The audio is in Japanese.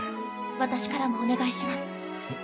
私からもお願いします。